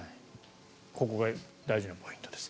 ここが大事なポイントです。